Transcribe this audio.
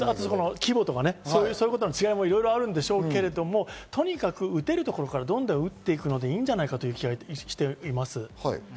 規模の違いなんかもあるでしょうけど、とにかく打てるところからどんどん打っていくので、いいんじゃないかなという気がしています。